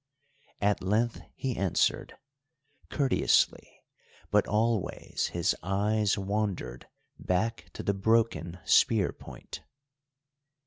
At length he answered, courteously, but always his eyes wandered back to the broken spear point.